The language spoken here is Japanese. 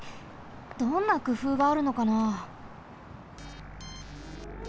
どんなくふうがあるのかな？